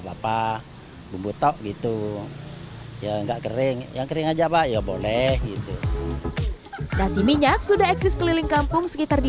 lalu ya nggak kering ya kering aja yoboleh crampa si minyak sudah eksis keliling kampung sekitar di